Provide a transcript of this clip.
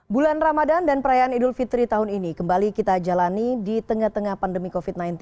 bulan ramadan dan perayaan idul fitri tahun ini kembali kita jalani di tengah tengah pandemi covid sembilan belas